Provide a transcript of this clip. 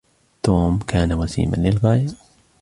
توم كان وسيماً للغاية.